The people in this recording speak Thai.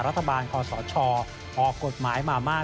รัฐบาลจรสชออกกฎหมายมามาก